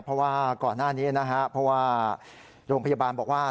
เพราะว่าก่อนหน้านี้นะฮะเพราะว่าโรงพยาบาลบอกว่า